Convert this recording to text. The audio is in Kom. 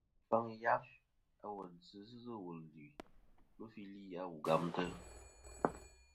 Wu faŋi yaf a wà dzɨ sɨ wul ɨlue lufɨli a wu gamtɨ.